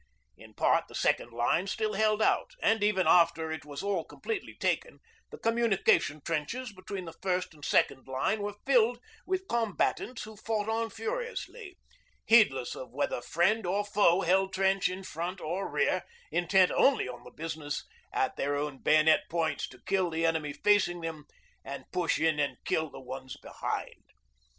In part the second line still held out; and even after it was all completely taken, the communication trenches between the first and second line were filled with combatants who fought on furiously, heedless of whether friend or foe held trench to front or rear, intent only on the business at their own bayonet points, to kill the enemy facing them and push in and kill the ones behind.